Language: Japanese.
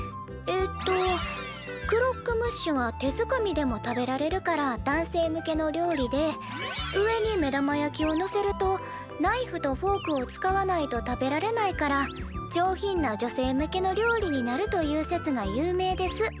えっと「クロックムッシュは手づかみでも食べられるから男性向けの料理で上に目玉焼きをのせるとナイフとフォークを使わないと食べられないから上品な女性向けの料理になるという説が有名です」